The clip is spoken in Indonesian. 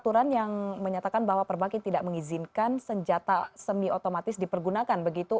aturan yang menyatakan bahwa perbakin tidak mengizinkan senjata semi otomatis dipergunakan begitu